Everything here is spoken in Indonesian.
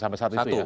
sampai saat itu ya